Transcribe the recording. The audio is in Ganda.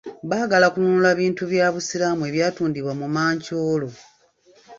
Baagala kunnunula bintu bya Busiraamu ebyatundibwa mu mancooro.